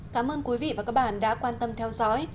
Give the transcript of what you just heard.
cảm ơn quý vị và các bạn đã quan tâm theo dõi